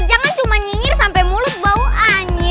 jangan cuma nyinyir sampai mulut bau anjing